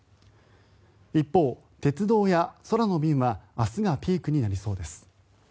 一方、鉄道や空の便は明日がピークになりそうです。